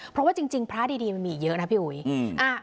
เพราะว่าจริงพระดีมันมีอีกเยอะนะพี่อุ๋ย